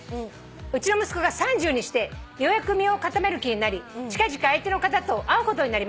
うちの息子が３０にしてようやく身を固める気になり近々相手の方と会うことになりました」